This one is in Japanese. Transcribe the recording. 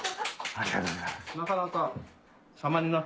ありがとうございます。